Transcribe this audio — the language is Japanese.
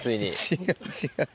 違う違う。